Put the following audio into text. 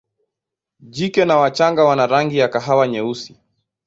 Jike na wachanga wana rangi ya kahawa nyeusi.